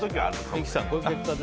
三木さん、こういう結果です。